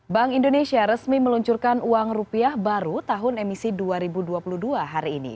bank indonesia resmi meluncurkan uang rupiah baru tahun emisi dua ribu dua puluh dua hari ini